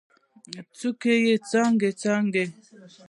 څوکې یې څانګې، څانګې